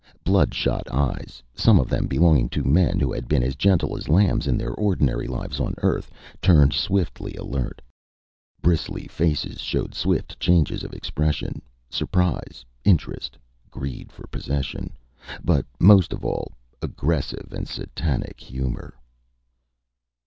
Bloodshot eyes, some of them belonging to men who had been as gentle as lambs in their ordinary lives on Earth, turned swiftly alert. Bristly faces showed swift changes of expression: surprise, interest, greed for possession but most of all, aggressive and Satanic humor.